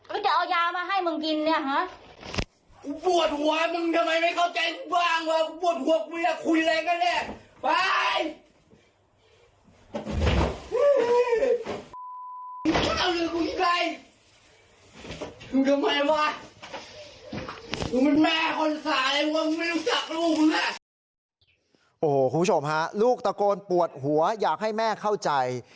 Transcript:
คุณผู้ชมฮะลูกตะโกนปวดหัวอยากให้แม่เข้าใจ